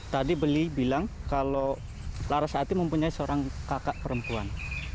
tadi beli bilang kalau larasati mempunyai seorang kakak perempuan